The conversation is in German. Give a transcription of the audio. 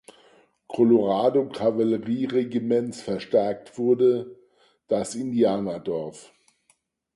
Colorado-Kavallerie-Regiments verstärkt wurde, das Indianerdorf.